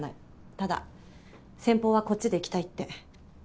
ただ先方はこっちでいきたいって。